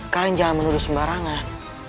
kalian jangan menuduh sembarangan